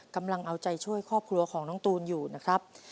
กำลังเอาใจช่วยครอบครัวของน้องตูนอยู่นะครับ